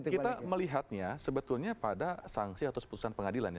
kita melihatnya sebetulnya pada sanksi atau seputusan pengadilan